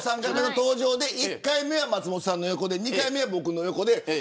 今日、３回目の登場で１回目は松本さんの横で２回は僕の横で。